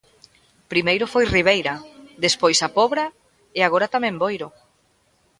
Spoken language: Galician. Primeiro foi Ribeira, despois A Pobra e agora tamén Boiro.